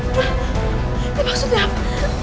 ini maksudnya apa